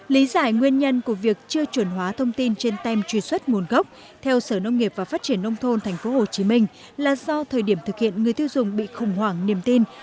lý giải nguyên nhân của việc chưa chuẩn hóa thông tin trên tem truy xuất nguồn gốc theo sở nông nghiệp và phát triển nông thôn tp hcm là do thời điểm thực hiện người tiêu dùng bị khủng hoảng niềm tin